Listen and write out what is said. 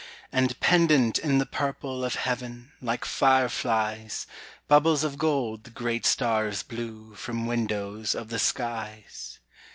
And pendent in the purple Of heaven, like fireflies, Bubbles of gold the great stars blew From windows of the skies.